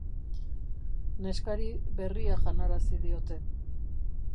Neskari berria janarazi diote.